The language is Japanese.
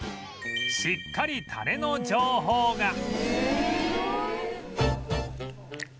しっかりタレの情報が